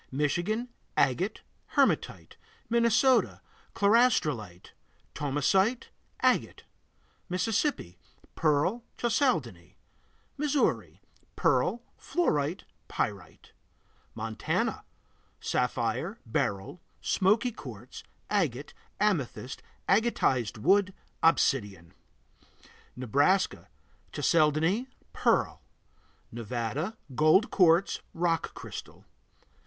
Michigan Agate, hematite. Minnesota Chlorastrolite, thomsonite, agate. Mississippi Pearl, chalcedony. Missouri Pearl, fluorite, pyrite. Montana Sapphire, beryl, smoky quartz, agate, amethyst, agatized wood, obsidian. Nebraska Chalcedony, pearl. Nevada Gold quartz, rock crystal.